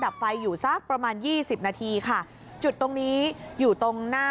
ดับไฟอยู่สักประมาณยี่สิบนาทีค่ะจุดตรงนี้อยู่ตรงหน้า